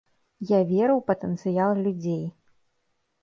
Я веру ў патэнцыял людзей.